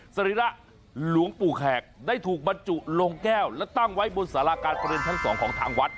สรีระหลวงปู่แขกได้ถูกบรรจุลงแก้วและตั้งไว้บนสาราการประเรียนชั้น๒ของทางวัด